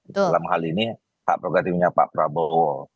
dalam hal ini hak prerogatifnya pak prabowo